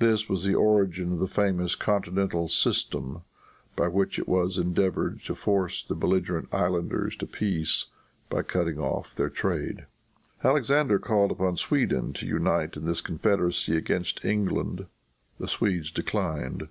This was the origin of the famous continental system, by which it was endeavored to force the belligerent islanders to peace by cutting off their trade. Alexander called upon Sweden to unite in this confederacy against England. The Swedes declined.